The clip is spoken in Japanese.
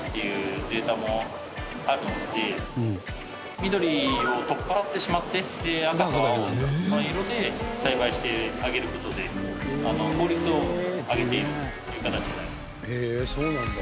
緑を取っ払ってしまって赤と青の色で栽培してあげる事で効率を上げているという形になります。